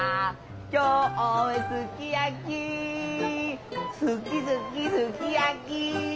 「今日はすき焼き」「好き好きすき焼き」